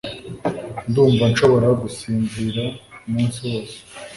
Ndumva nshobora gusinzira umunsi wose